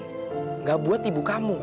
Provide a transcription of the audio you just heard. enggak buat ibu kamu